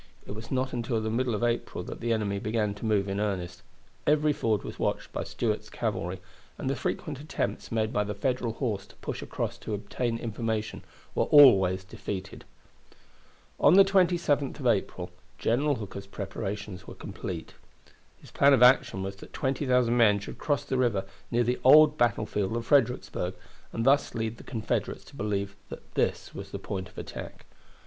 It was not until the middle of April that the enemy began to move in earnest. Every ford was watched by Stuart's cavalry, and the frequent attempts made by the Federal horse to push across to obtain information were always defeated. On the 27th of April General Hooker's preparations were complete. His plan of action was that 20,000 men should cross the river near the old battlefield of Fredericksburg, and thus lead the Confederates to believe that this was the point of attack.